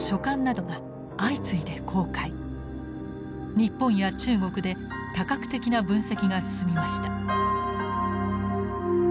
日本や中国で多角的な分析が進みました。